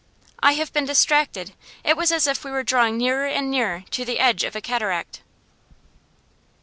'I have been distracted. It was as if we were drawing nearer and nearer to the edge of a cataract.